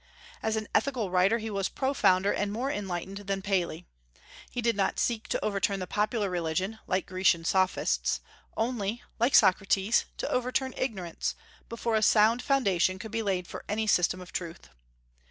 As an ethical writer he was profounder and more enlightened than Paley. He did not seek to overturn the popular religion, like Grecian Sophists, only (like Socrates) to overturn ignorance, before a sound foundation could be laid for any system of truth.